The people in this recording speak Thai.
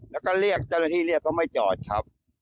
แล้วก็เรียกเจ้าหน้าที่เรียกก็ไม่จอดครับ